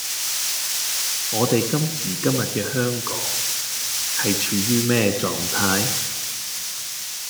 我哋今時今日嘅香港係處於咩狀態?